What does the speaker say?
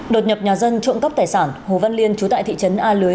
đột nhập nhà dân trộm cắp tài sản hồ văn liên chú tại thị trấn a lưới